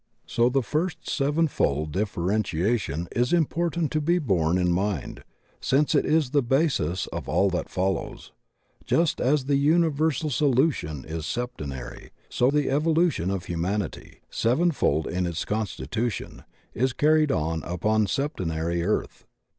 So the first sevenfold differentiation is important to be borne in mind, since it is the basis of all that follows. Just as the imiversal evolution is septenary, so the evolution of humanity, sevenfold in its constitution, is carried on upon a septenary Earth.